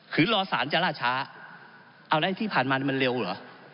คือรอสารจะล่าช้าเอาแล้วที่ผ่านมามันเร็วเหรอ